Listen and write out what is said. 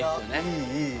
いいいい。